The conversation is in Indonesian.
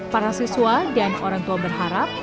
para siswa dan orang tua berharap